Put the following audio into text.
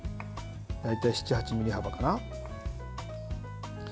大体７８ｍｍ幅かな。